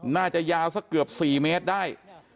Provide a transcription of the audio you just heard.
น่าจะยาวสักเกือบ๔เมตรได้